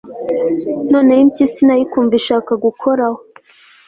noneho impyisi nayo ikumva ishaka gukoraho